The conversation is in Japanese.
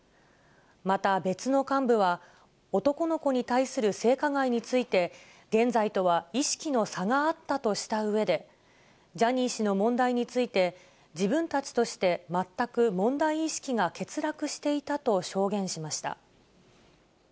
また、別の幹部は、男の子に対する性加害について、現在とは意識の差があったとしたうえで、ジャニー氏の問題について、自分たちとして全く問題意識が欠落していたと証言しました。